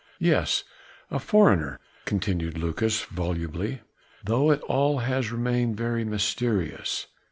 "Yes, a foreigner," continued Lucas volubly, "though it all has remained very mysterious.